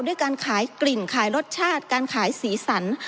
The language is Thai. ด้วยการขายกลิ่นขายรสชาติการขายสีสัน